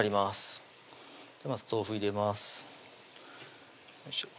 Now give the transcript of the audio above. まず豆腐入れます